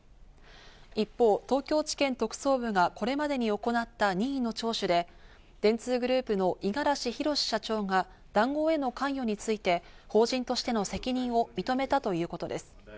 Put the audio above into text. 一方、東京地検特捜部がこれまでに行った任意の聴取で、電通グループの五十嵐博社長が談合への関与について、法人としての責任を認めたということです。